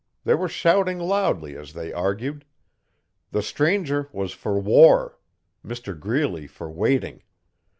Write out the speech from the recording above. They were shouting loudly as they argued. The stranger was for war; Mr Greeley for waiting.